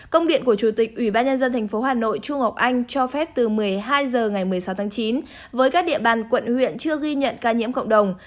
công điện của chủ tịch ủy ban nhân dân tp hà nội chu ngọc anh cho phép từ một mươi hai h ngày một mươi sáu tháng chín với các địa bàn quận huyện chưa ghi nhận ca nhiễm cộng đồng